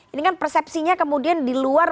ini kan persepsinya kemudian di luar